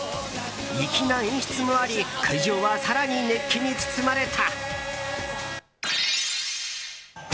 粋な演出もあり会場は更に熱気に包まれた。